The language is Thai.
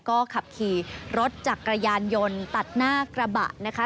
ก็ขับขี่รถจักรยานยนต์ตัดหน้ากระบะนะคะ